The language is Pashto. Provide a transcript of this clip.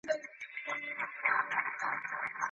چا له نظره کړې د ښکلیو د مستۍ سندري